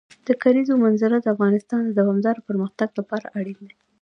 د کلیزو منظره د افغانستان د دوامداره پرمختګ لپاره اړین دي.